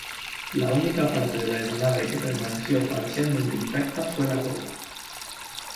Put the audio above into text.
La única parte de la aeronave que permaneció parcialmente intacta fue la cola.